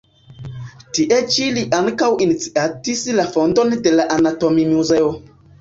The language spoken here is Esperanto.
Tie ĉi li ankaŭ iniciatis la fondon de anatomimuzeo.